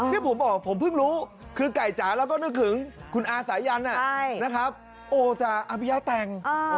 ที่ผมบอกผมเพิ่งรู้คือไก่จ๋าแล้วก็นึกถึงคุณอาสายันนะครับโอ้จ๋าอภิญญาแต่ง